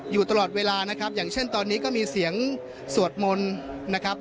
อยู่ตลอดเวลานะครับอย่างเช่นตอนนี้ก็มีเสียงสวดมนต์นะครับ